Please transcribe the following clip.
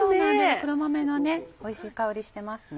黒豆のおいしい香りしてますね。